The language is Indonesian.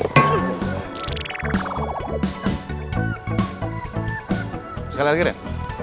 sekali lagi rin